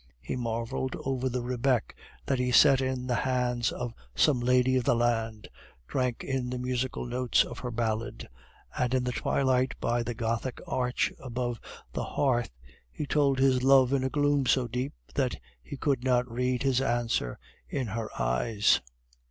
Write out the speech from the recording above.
He marveled over the rebec that he set in the hands of some lady of the land, drank in the musical notes of her ballad, and in the twilight by the gothic arch above the hearth he told his love in a gloom so deep that he could not read his answer in her eyes.